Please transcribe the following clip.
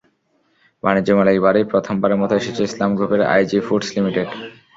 বাণিজ্য মেলায় এবারই প্রথমবারের মতো এসেছে ইসলাম গ্রুপের আইজি ফুডস লিমিটেড।